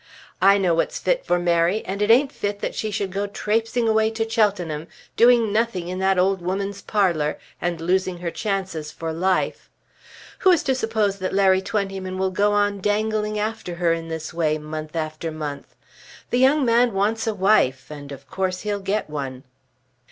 I know what's fit for Mary, and it ain't fit that she should go trapesing away to Cheltenham, doing nothing in that old woman's parlour, and losing her chances for life. Who is to suppose that Larry Twentyman will go on dangling after her in this way, month after month? The young man wants a wife, and of course he'll get one."